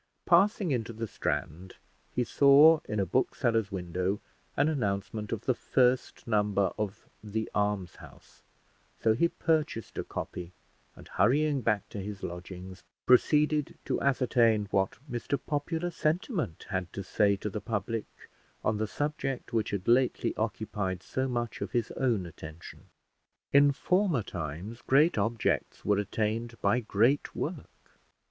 Passing into the Strand, he saw in a bookseller's window an announcement of the first number of "The Almshouse;" so he purchased a copy, and hurrying back to his lodgings, proceeded to ascertain what Mr Popular Sentiment had to say to the public on the subject which had lately occupied so much of his own attention. In former times great objects were attained by great work.